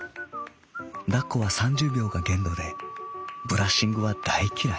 「抱っこは三十秒が限度でブラッシングは大嫌い」。